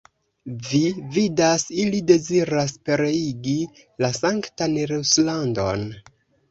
Vi vidas, ili deziras pereigi la sanktan Ruslandon!